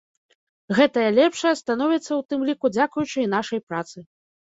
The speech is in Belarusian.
Гэтае лепшае становіцца ў тым ліку дзякуючы і нашай працы.